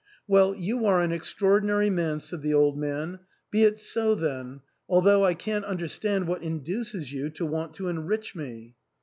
"Well, you are an extraordinary man," said the old man. "Be it so then ; although I can't understand what induces you to want to enrich me."